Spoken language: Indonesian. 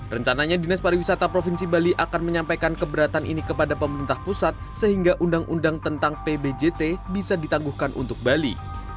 rencananya dinas pariwisata provinsi bali akan menyampaikan keberatan ini kepada pemerintah pusat sehingga undang undang tentang pbjt bisa ditangguhkan untuk bali